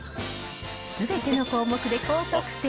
すべての項目で高得点。